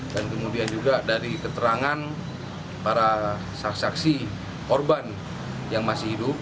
dan kemudian juga dari keterangan para saksi saksi korban yang masih hidup